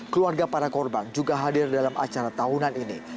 keluarga para korban juga hadir dalam acara tahunan ini